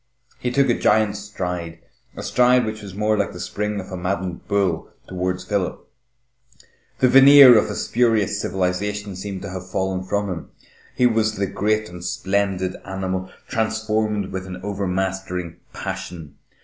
He took a giant stride, a stride which was more like the spring of a maddened bull, towards Philip. The veneer of a spurious civilisation seemed to have fallen from him. He was the great and splendid animal, transformed with an overmastering passion.